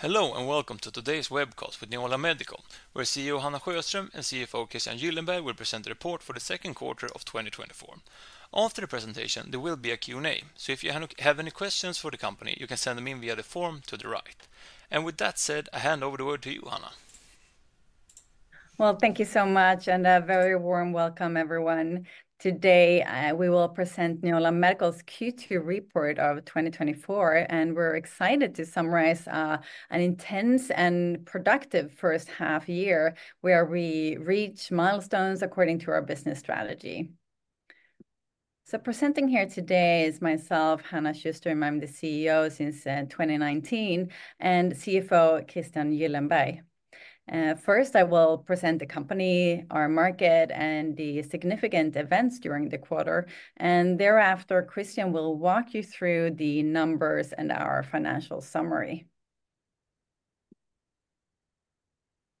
Hello, and welcome to today's webcast with Neola Medical, where CEO Hanna Sjöström and CFO Christian Gyllenberg will present the report for the Q2 of 2024. After the presentation, there will be a Q&A, so if you have any questions for the company, you can send them in via the form to the right. And with that said, I hand over the word to you, Hanna. Well, thank you so much, and a very warm welcome, everyone. Today, we will present Neola Medical's Q2 report of 2024, and we're excited to summarize, an intense and productive first half year, where we reach milestones according to our business strategy. So presenting here today is myself, Hanna Sjöström. I'm the CEO since, 2019, and CFO Christian Gyllenberg. First, I will present the company, our market, and the significant events during the quarter, and thereafter, Christian will walk you through the numbers and our financial summary.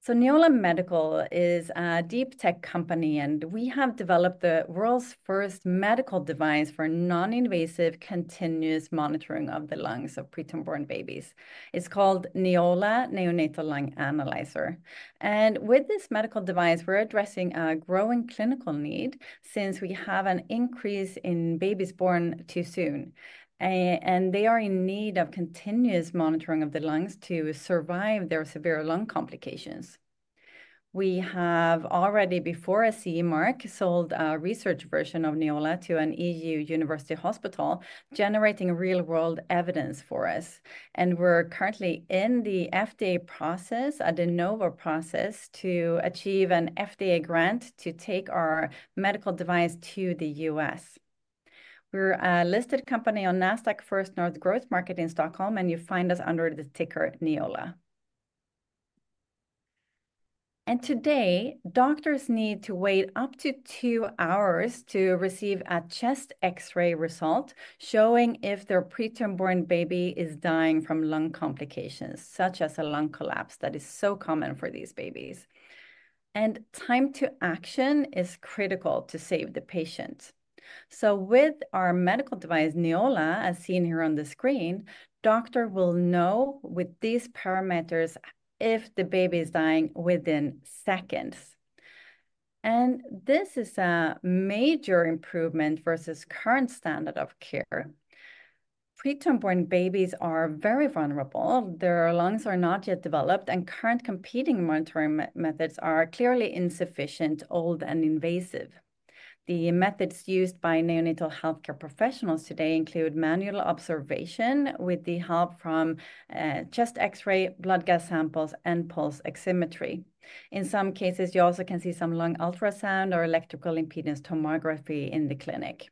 So Neola Medical is a deep tech company, and we have developed the world's first medical device for non-invasive, continuous monitoring of the lungs of preterm born babies. It's called Neola Neonatal Lung Analyzer, and with this medical device, we're addressing a growing clinical need since we have an increase in babies born too soon. And they are in need of continuous monitoring of the lungs to survive their severe lung complications. We have already, before a CE mark, sold a research version of Neola to an EU university hospital, generating real-world evidence for us, and we're currently in the FDA process, a De Novo process, to achieve an FDA grant to take our medical device to the U.S. We're a listed company on Nasdaq First North Growth Market in Stockholm, and you find us under the ticker Neola. Today, doctors need to wait up to two hours to receive a chest X-ray result, showing if their preterm-born baby is dying from lung complications, such as a lung collapse that is so common for these babies, and time to action is critical to save the patient. So with our medical device, Neola, as seen here on the screen, doctor will know with these parameters if the baby is dying within seconds, and this is a major improvement versus current standard of care. Preterm born babies are very vulnerable. Their lungs are not yet developed, and current competing monitoring methods are clearly insufficient, old, and invasive. The methods used by neonatal healthcare professionals today include manual observation with the help from chest X-ray, blood gas samples, and pulse oximetry. In some cases, you also can see some lung ultrasound or electrical impedance tomography in the clinic.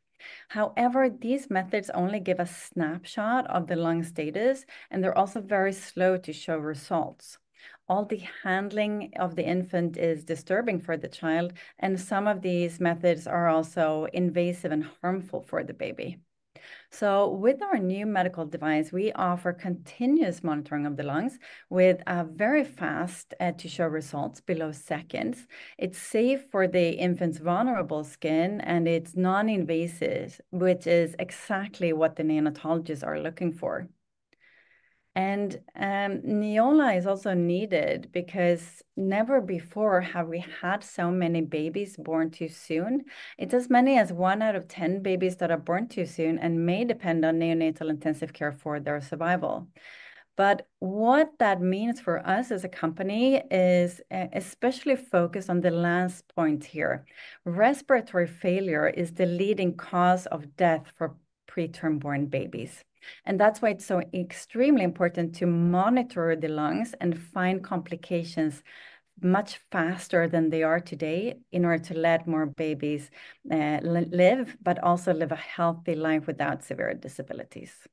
However, these methods only give a snapshot of the lung status, and they're also very slow to show results. All the handling of the infant is disturbing for the child, and some of these methods are also invasive and harmful for the baby. So with our new medical device, we offer continuous monitoring of the lungs with a very fast, to show results below seconds. It's safe for the infant's vulnerable skin, and it's non-invasive, which is exactly what the neonatologists are looking for. And, Neola is also needed because never before have we had so many babies born too soon. It's as many as one out of ten babies that are born too soon and may depend on neonatal intensive care for their survival. But what that means for us as a company is, especially focused on the last point here. Respiratory failure is the leading cause of death for preterm born babies, and that's why it's so extremely important to monitor the lungs and find complications much faster than they are today in order to let more babies live, but also live a healthy life without severe disabilities.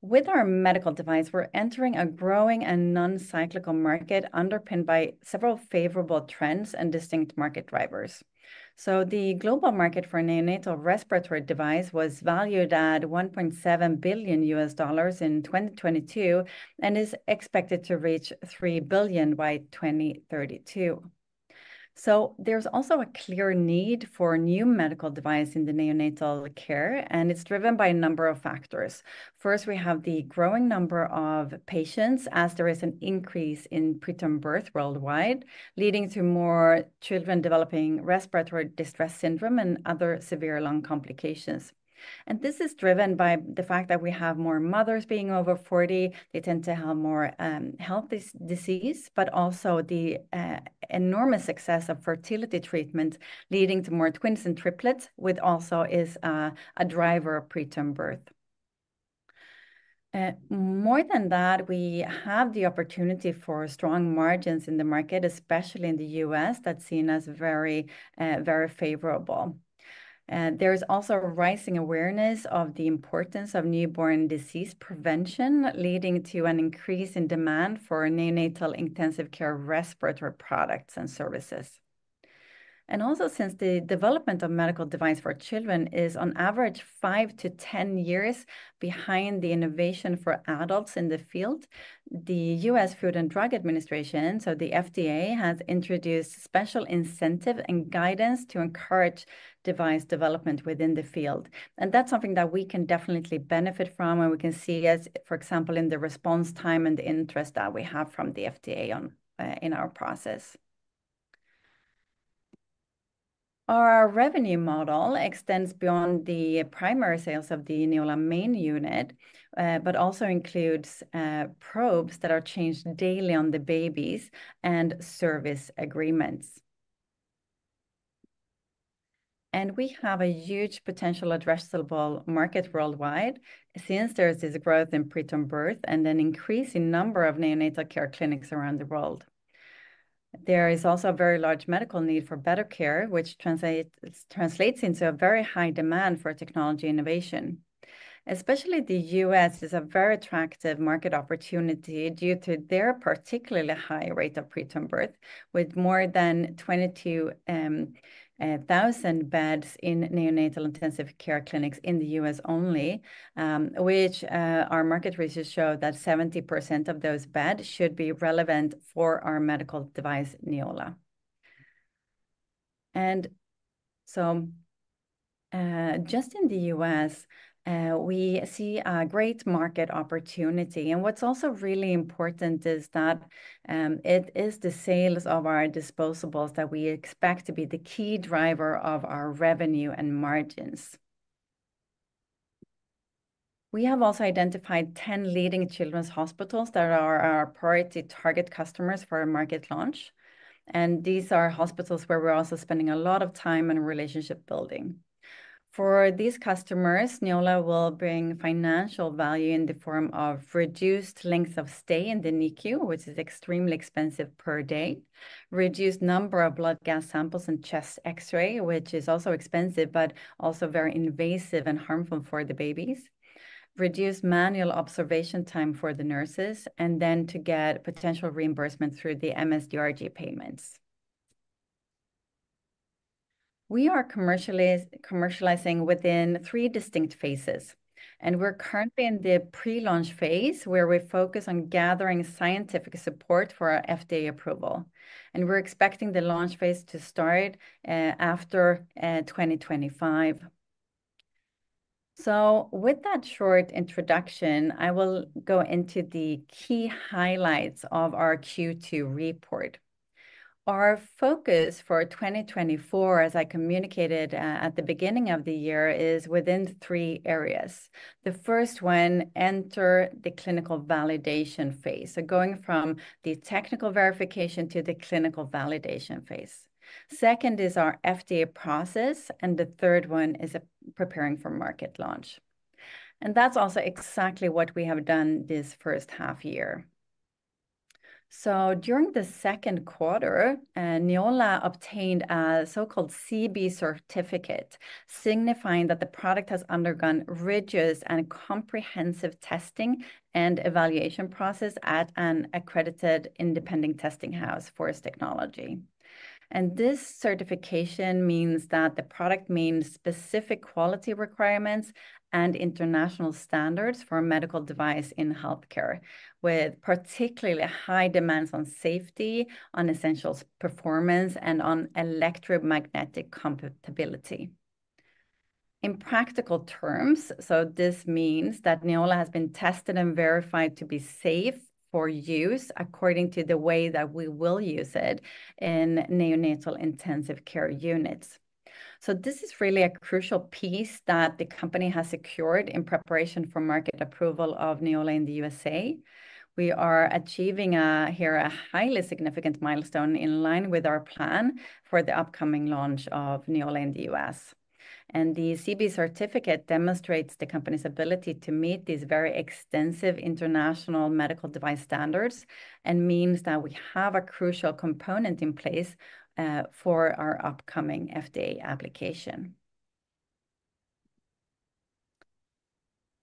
With our medical device, we're entering a growing and non-cyclical market underpinned by several favorable trends and distinct market drivers. The global market for neonatal respiratory device was valued at $1.7 billion in 2022 and is expected to reach $3 billion by 2032. There's also a clear need for new medical device in the neonatal care, and it's driven by a number of factors. First, we have the growing number of patients, as there is an increase in preterm birth worldwide, leading to more children developing respiratory distress syndrome and other severe lung complications, and this is driven by the fact that we have more mothers being over 40. They tend to have more health diseases, but also the enormous success of fertility treatment, leading to more twins and triplets, which also is a driver of preterm birth. More than that, we have the opportunity for strong margins in the market, especially in the U.S., that's seen as very, very favorable. There is also a rising awareness of the importance of newborn disease prevention, leading to an increase in demand for neonatal intensive care respiratory products and services. Also, since the development of medical device for children is, on average, 5-10 years behind the innovation for adults in the field, the US Food and Drug Administration, so the FDA, has introduced special incentive and guidance to encourage device development within the field, and that's something that we can definitely benefit from, and we can see as, for example, in the response time and the interest that we have from the FDA on in our process. Our revenue model extends beyond the primary sales of the Neola main unit, but also includes probes that are changed daily on the babies and service agreements. We have a huge potential addressable market worldwide, since there is this growth in preterm birth and an increasing number of neonatal care clinics around the world. There is also a very large medical need for better care, which translates into a very high demand for technology innovation. Especially the US is a very attractive market opportunity due to their particularly high rate of preterm birth, with more than 22,000 beds in neonatal intensive care clinics in the US only, which our market research show that 70% of those beds should be relevant for our medical device, Neola. And so, just in the US, we see a great market opportunity, and what's also really important is that it is the sales of our disposables that we expect to be the key driver of our revenue and margins. We have also identified 10 leading children's hospitals that are our priority target customers for our market launch, and these are hospitals where we're also spending a lot of time on relationship building. For these customers, Neola will bring financial value in the form of reduced length of stay in the NICU, which is extremely expensive per day. Reduced number of blood gas samples and chest X-ray, which is also expensive, but also very invasive and harmful for the babies. Reduced manual observation time for the nurses. And then to get potential reimbursement through the MS-DRG payments. We are commercializing within three distinct phases, and we're currently in the pre-launch phase, where we focus on gathering scientific support for our FDA approval, and we're expecting the launch phase to start after 2025. So with that short introduction, I will go into the key highlights of our Q2 report. Our focus for 2024, as I communicated at the beginning of the year, is within three areas. The first one, enter the clinical validation phase, so going from the technical verification to the clinical validation phase. Second is our FDA process, and the third one is preparing for market launch, and that's also exactly what we have done this first half year. So during the Q2, Neola obtained a so-called CB certificate, signifying that the product has undergone rigorous and comprehensive testing and evaluation process at an accredited independent testing house, FORCE Technology. And this certification means that the product meets specific quality requirements and international standards for a medical device in healthcare, with particularly high demands on safety, on essential performance, and on electromagnetic compatibility. In practical terms, so this means that Neola has been tested and verified to be safe for use according to the way that we will use it in neonatal intensive care units. So this is really a crucial piece that the company has secured in preparation for market approval of Neola in the USA. We are achieving a highly significant milestone in line with our plan for the upcoming launch of Neola in the US. And the CB certificate demonstrates the company's ability to meet these very extensive international medical device standards and means that we have a crucial component in place for our upcoming FDA application.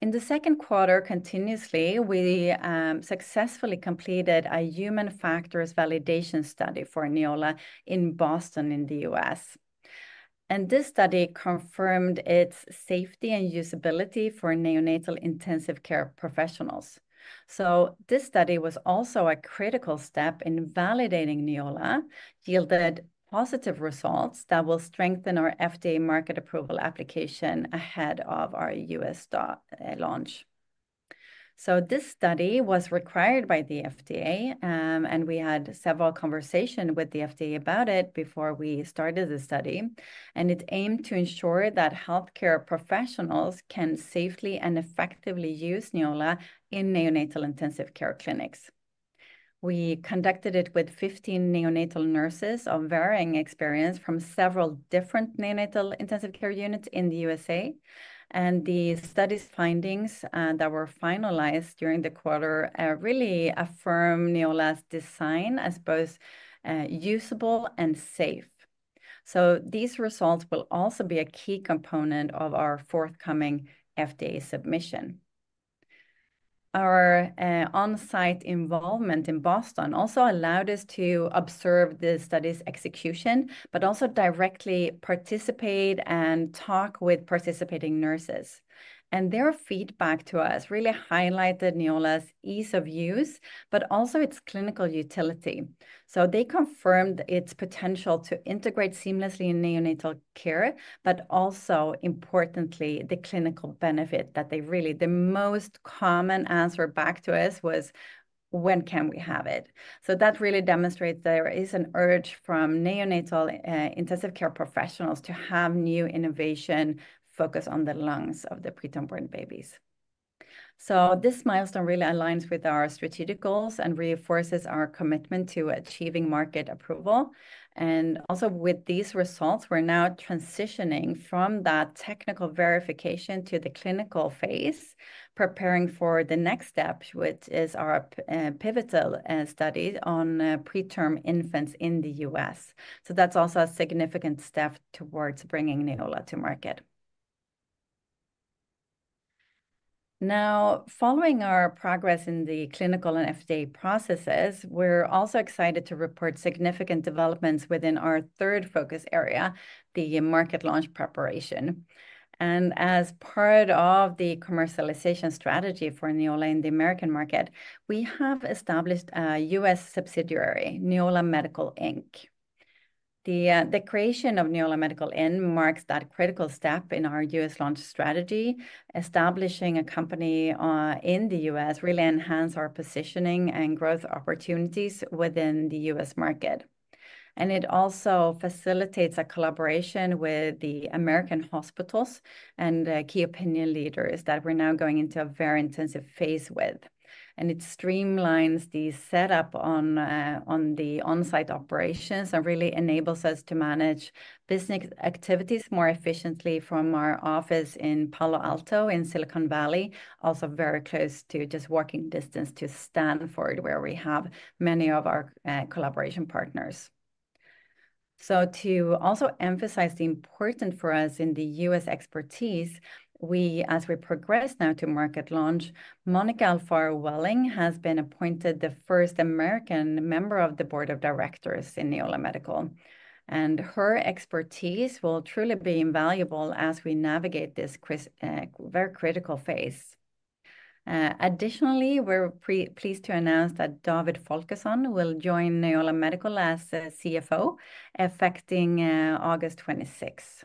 In the Q2, continuously, we successfully completed a human factors validation study for Neola in Boston, in the US, and this study confirmed its safety and usability for neonatal intensive care professionals. So this study was also a critical step in validating Neola, yielded positive results that will strengthen our FDA market approval application ahead of our U.S. launch. So this study was required by the FDA, and we had several conversation with the FDA about it before we started the study, and it aimed to ensure that healthcare professionals can safely and effectively use Neola in neonatal intensive care clinics. We conducted it with 15 neonatal nurses of varying experience from several different neonatal intensive care units in the USA, and the study's findings that were finalized during the quarter really affirm Neola's design as both usable and safe. So these results will also be a key component of our forthcoming FDA submission. Our on-site involvement in Boston also allowed us to observe the study's execution, but also directly participate and talk with participating nurses. And their feedback to us really highlighted Neola's ease of use, but also its clinical utility. So they confirmed its potential to integrate seamlessly in neonatal care, but also, importantly, the clinical benefit that they really, the most common answer back to us was, "When can we have it?" So that really demonstrates there is an urge from neonatal intensive care professionals to have new innovation focused on the lungs of the preterm born babies. So this milestone really aligns with our strategic goals and reinforces our commitment to achieving market approval. And also, with these results, we're now transitioning from that technical verification to the clinical phase, preparing for the next step, which is our pivotal studies on preterm infants in the U.S. So that's also a significant step towards bringing Neola to market. Now, following our progress in the clinical and FDA processes, we're also excited to report significant developments within our third focus area, the market launch preparation. As part of the commercialization strategy for Neola in the American market, we have established a U.S. subsidiary, Neola Medical Inc. The creation of Neola Medical Inc. marks that critical step in our U.S. launch strategy. Establishing a company in the U.S. really enhance our positioning and growth opportunities within the U.S. market, and it also facilitates a collaboration with the American hospitals and key opinion leaders that we're now going into a very intensive phase with. It streamlines the setup on the on-site operations and really enables us to manage business activities more efficiently from our office in Palo Alto, in Silicon Valley. Also very close to just walking distance to Stanford, where we have many of our collaboration partners. So to also emphasize the important for us in the US expertise, we, as we progress now to market launch, Monica Alfaro Welling has been appointed the first American member of the board of directors in Neola Medical, and her expertise will truly be invaluable as we navigate this very critical phase. Additionally, we're pleased to announce that David Folkesson will join Neola Medical as the CFO, effective August 26th.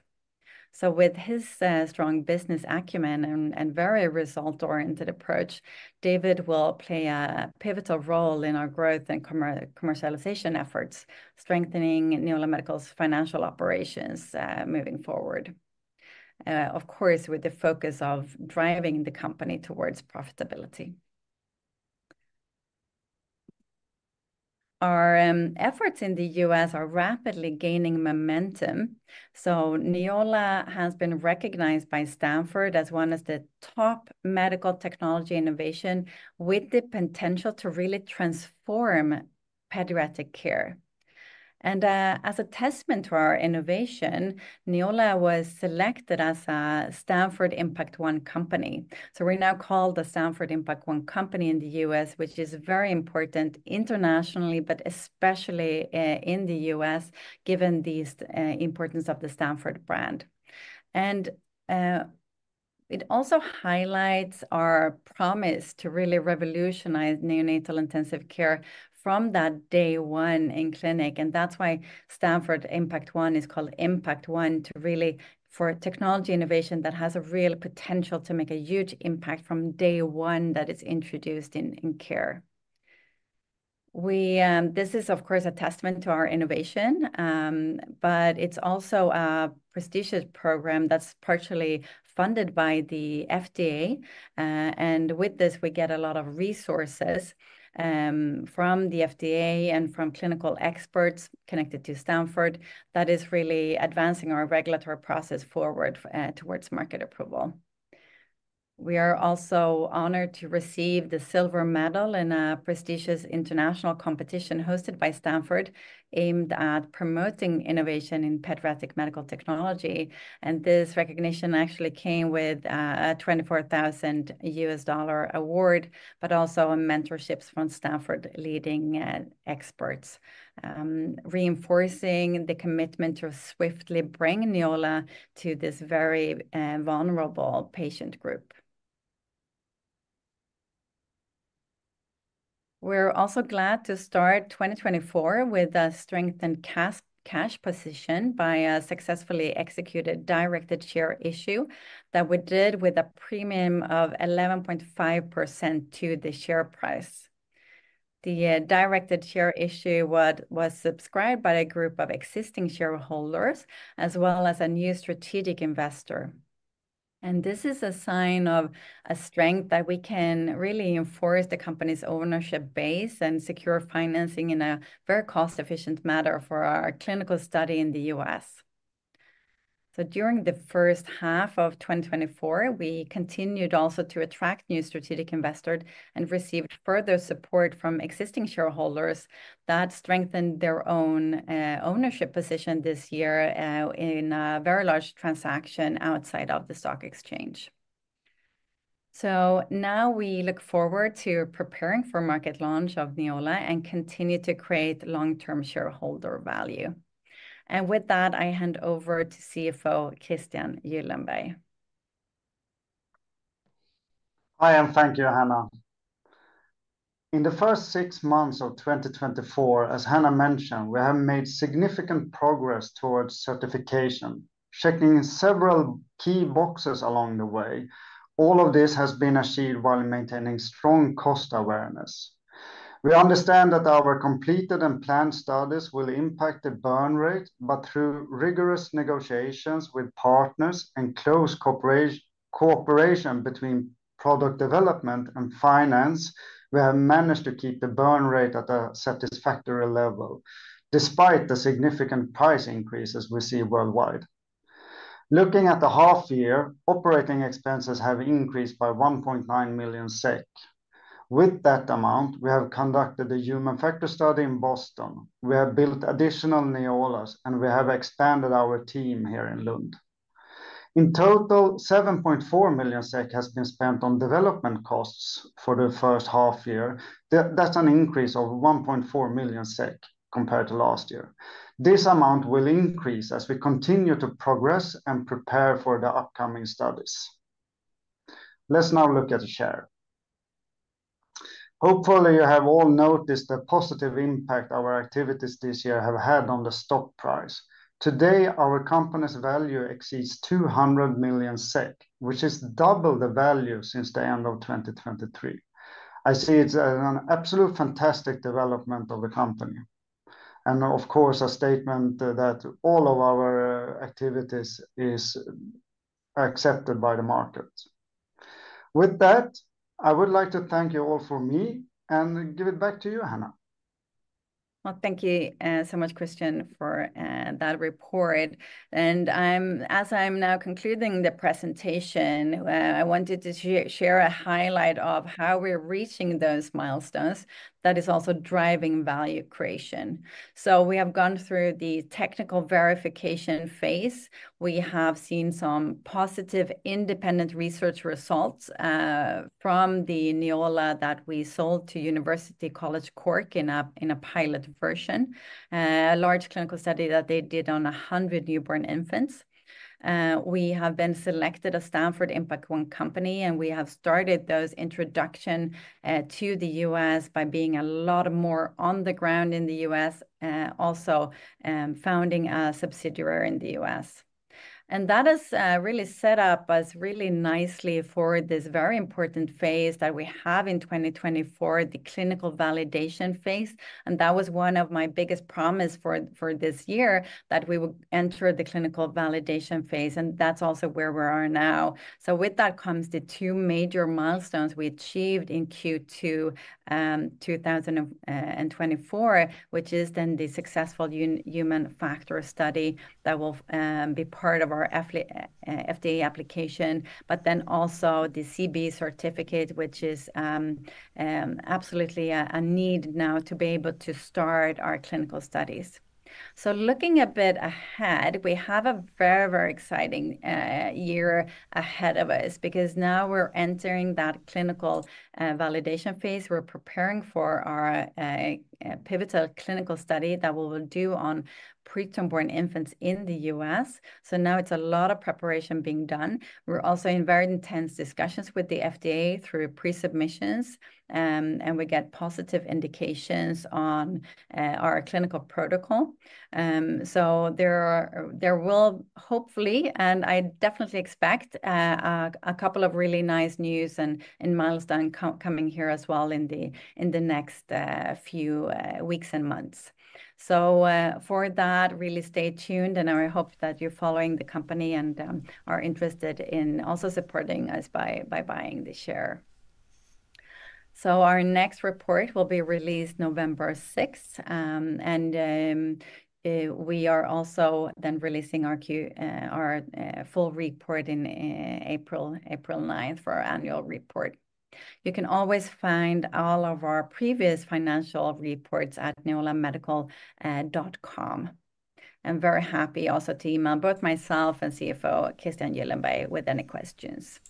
So with his strong business acumen and very result-oriented approach, David will play a pivotal role in our growth and commercialization efforts, strengthening Neola Medical's financial operations moving forward. Of course, with the focus of driving the company towards profitability. Our efforts in the US are rapidly gaining momentum, so Neola has been recognized by Stanford as one of the top medical technology innovation with the potential to really transform pediatric care. And as a testament to our innovation, Neola was selected as a Stanford Impact 1 company. So we're now called the Stanford Impact 1 company in the US, which is very important internationally, but especially in the US, given the importance of the Stanford brand. And it also highlights our promise to really revolutionize neonatal intensive care from that day one in clinic, and that's why Stanford Impact 1 is called Impact One, to really for a technology innovation that has a real potential to make a huge impact from day one that is introduced in care. This is, of course, a testament to our innovation, but it's also a prestigious program that's partially funded by the FDA. With this, we get a lot of resources from the FDA and from clinical experts connected to Stanford that is really advancing our regulatory process forward towards market approval. We are also honored to receive the silver medal in a prestigious international competition hosted by Stanford, aimed at promoting innovation in pediatric medical technology, and this recognition actually came with a $24,000 award, but also mentorships from Stanford leading experts, reinforcing the commitment to swiftly bring Neola to this very vulnerable patient group. We're also glad to start 2024 with a strengthened cash position by a successfully executed directed share issue that we did with a premium of 11.5% to the share price. The directed share issue was subscribed by a group of existing shareholders, as well as a new strategic investor, and this is a sign of a strength that we can really enforce the company's ownership base and secure financing in a very cost-efficient manner for our clinical study in the US. So during the first half of 2024, we continued also to attract new strategic investors and received further support from existing shareholders that strengthened their own ownership position this year in a very large transaction outside of the stock exchange. So now we look forward to preparing for market launch of Neola and continue to create long-term shareholder value. With that, I hand over to CFO, Christian Gyllenberg. Hi, and thank you, Hanna. In the first six months of 2024, as Hanna mentioned, we have made significant progress towards certification, checking several key boxes along the way. All of this has been achieved while maintaining strong cost awareness. We understand that our completed and planned studies will impact the burn rate, but through rigorous negotiations with partners and close cooperation between product development and finance, we have managed to keep the burn rate at a satisfactory level, despite the significant price increases we see worldwide. Looking at the half year, operating expenses have increased by 1.9 million SEK. With that amount, we have conducted a human factor study in Boston, we have built additional Neolas, and we have expanded our team here in Lund. In total, 7.4 million SEK has been spent on development costs for the first half year. That, that's an increase of 1.4 million SEK compared to last year. This amount will increase as we continue to progress and prepare for the upcoming studies. Let's now look at the share. Hopefully, you have all noticed the positive impact our activities this year have had on the stock price. Today, our company's value exceeds 200 million SEK, which is double the value since the end of 2023. I see it's an absolute fantastic development of the company, and of course, a statement that all of our activities is accepted by the market. With that, I would like to thank you all for me, and give it back to you, Hanna. Well, thank you so much, Christian, for that report. As I'm now concluding the presentation, I wanted to share a highlight of how we're reaching those milestones that is also driving value creation. So we have gone through the technical verification phase. We have seen some positive independent research results from the Neola that we sold to University College Cork in a pilot version, a large clinical study that they did on 100 newborn infants. We have been selected a Stanford Impact 1 company, and we have started those introduction to the U.S. by being a lot more on the ground in the U.S., also founding a subsidiary in the U.S. And that has really set up us really nicely for this very important phase that we have in 2024, the clinical validation phase, and that was one of my biggest promise for this year, that we would enter the clinical validation phase, and that's also where we are now. So with that comes the 2 major milestones we achieved in Q2 2024, which is then the successful human factors study that will be part of our FDA application, but then also the CB certificate, which is absolutely a need now to be able to start our clinical studies. So looking a bit ahead, we have a very, very exciting year ahead of us, because now we're entering that clinical validation phase. We're preparing for our pivotal clinical study that we will do on preterm born infants in the U.S., so now it's a lot of preparation being done. We're also in very intense discussions with the FDA through pre-submissions, and we get positive indications on our clinical protocol. So there will hopefully, and I definitely expect, a couple of really nice news and milestones coming here as well in the next few weeks and months. So for that, really stay tuned, and I hope that you're following the company, and are interested in also supporting us by buying the share. So our next report will be released November sixth, and we are also then releasing our full report in April ninth for our annual report. You can always find all of our previous financial reports at neolamedical.com. I'm very happy also to email both myself and CFO Christian Gyllenberg with any questions.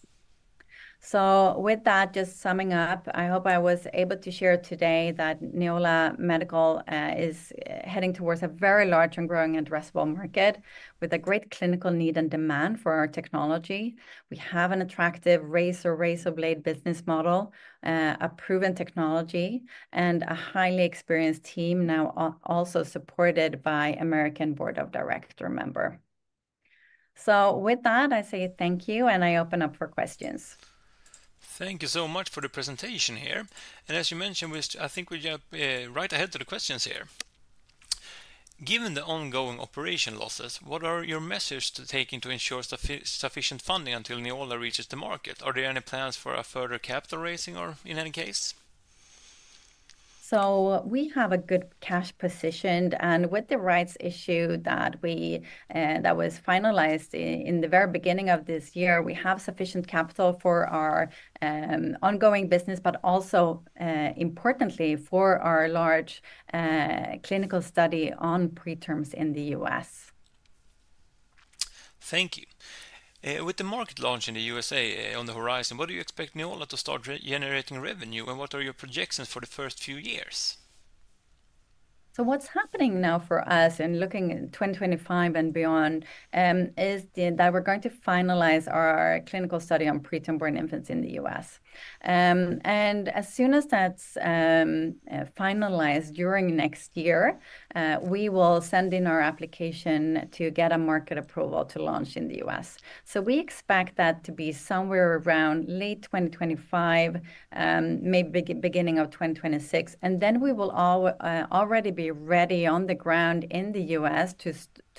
So with that, just summing up, I hope I was able to share today that Neola Medical is heading towards a very large and growing addressable market with a great clinical need and demand for our technology. We have an attractive razor, razor blade business model, a proven technology, and a highly experienced team, now also supported by American Board of Directors member. So with that, I say thank you, and I open up for questions. Thank you so much for the presentation here. As you mentioned, I think we jump right ahead to the questions here. Given the ongoing operating losses, what measures are you taking to ensure sufficient funding until Neola reaches the market? Are there any plans for a further capital raising or in any case? So we have a good cash position, and with the rights issue that was finalized in the very beginning of this year, we have sufficient capital for our ongoing business, but also, importantly, for our large clinical study on preterms in the US.... Thank you. With the market launch in the USA, on the horizon, what do you expect Neola to start regenerating revenue, and what are your projections for the first few years? So what's happening now for us in looking at 2025 and beyond is that we're going to finalize our clinical study on preterm born infants in the US. And as soon as that's finalized during next year, we will send in our application to get a market approval to launch in the US. So we expect that to be somewhere around late 2025, maybe beginning of 2026, and then we will already be ready on the ground in the US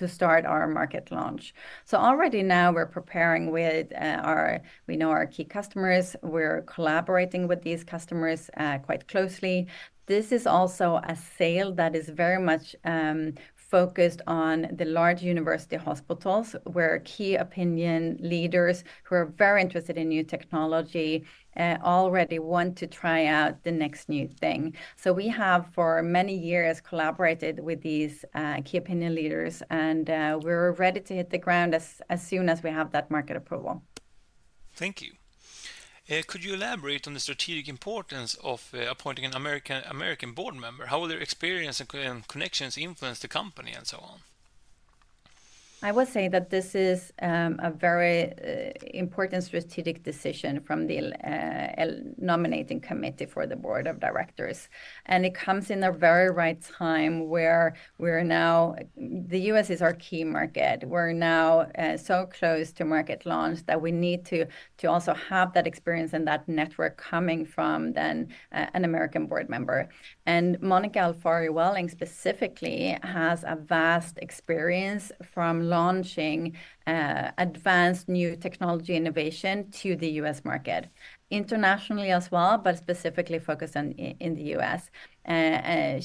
to start our market launch. So already now we're preparing with our key customers. We know our key customers. We're collaborating with these customers quite closely. This is also a sale that is very much focused on the large university hospitals, where key opinion leaders, who are very interested in new technology, already want to try out the next new thing. So we have, for many years, collaborated with these key opinion leaders, and we're ready to hit the ground as soon as we have that market approval. Thank you. Could you elaborate on the strategic importance of appointing an American, American board member? How will their experience and connections influence the company and so on? I would say that this is a very important strategic decision from the nominating committee for the board of directors, and it comes in a very right time, where we're now. The U.S. is our key market. We're now so close to market launch that we need to also have that experience and that network coming from then an American board member. And Monica Alfaro Welling, specifically, has a vast experience from launching advanced new technology innovation to the U.S. market. Internationally as well, but specifically focused on in the U.S.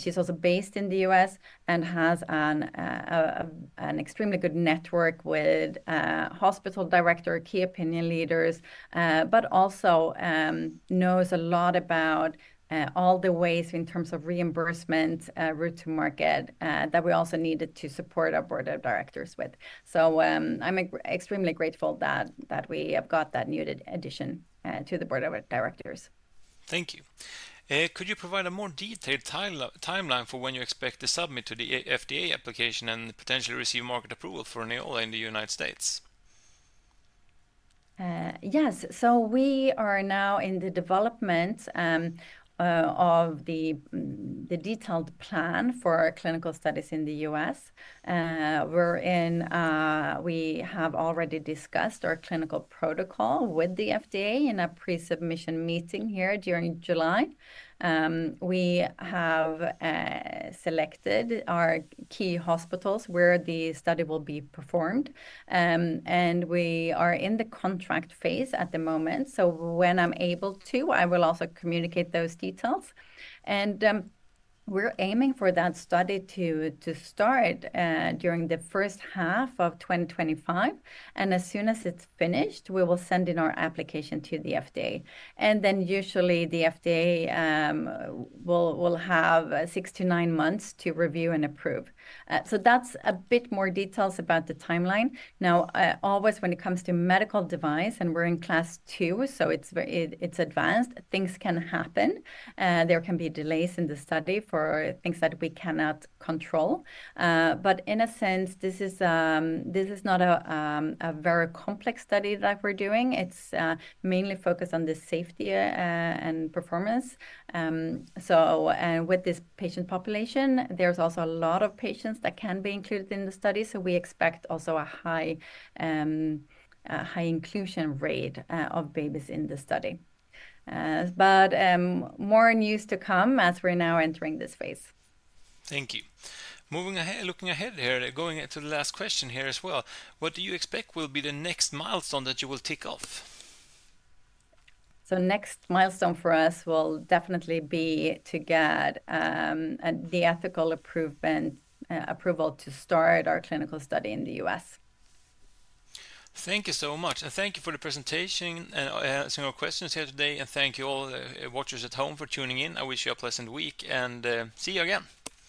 She's also based in the U.S. and has an extremely good network with hospital director, key opinion leaders, but also knows a lot about all the ways in terms of reimbursement, route to market, that we also needed to support our board of directors with. So, I'm extremely grateful that we have got that needed addition to the board of directors. Thank you. Could you provide a more detailed timeline for when you expect to submit to the FDA application and potentially receive market approval for Neola in the United States? Yes. So we are now in the development of the detailed plan for our clinical studies in the U.S. We're in... We have already discussed our clinical protocol with the FDA in a pre-submission meeting here during July. We have selected our key hospitals, where the study will be performed. We are in the contract phase at the moment, so when I'm able to, I will also communicate those details. We're aiming for that study to start during the first half of 2025, and as soon as it's finished, we will send in our application to the FDA. Then usually the FDA will have 6-9 months to review and approve. So that's a bit more details about the timeline. Now, always when it comes to medical device, and we're in class two, so it's very advanced, things can happen. There can be delays in the study for things that we cannot control. But in a sense, this is not a very complex study that we're doing. It's mainly focused on the safety and performance. So, with this patient population, there's also a lot of patients that can be included in the study, so we expect also a high inclusion rate of babies in the study. But more news to come as we're now entering this phase. Thank you. Moving ahead, looking ahead here, going into the last question here as well, what do you expect will be the next milestone that you will tick off? So next milestone for us will definitely be to get the ethical approval to start our clinical study in the US. Thank you so much, and thank you for the presentation and answering our questions here today, and thank you all, watchers at home for tuning in. I wish you a pleasant week, and, see you again.